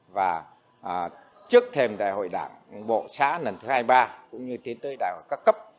và trước thêm đại hội đảng bộ xã lần thứ hai mươi ba cũng như tiến tới đại hội các cấp